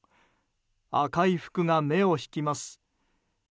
赤い服が目を引きます。